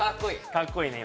かっこいいね